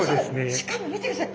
しかも見てください。